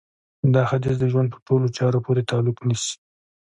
دا حديث د ژوند په ټولو چارو پورې تعلق نيسي.